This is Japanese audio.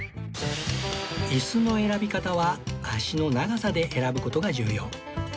イスの選び方は脚の長さで選ぶことが重要